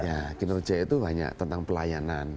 ya kinerja itu banyak tentang pelayanan